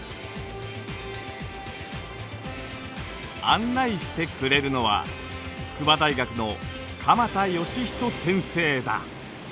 案内してくれるのは筑波大学の鎌田祥仁先生だ。